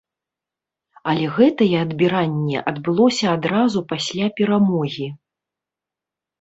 Але гэтае адбіранне адбылося адразу пасля перамогі.